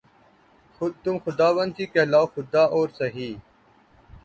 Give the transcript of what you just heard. تم خداوند ہی کہلاؤ‘ خدا اور سہی